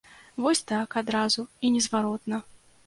Вось так, адразу і незваротна.